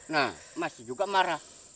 nah masih juga marah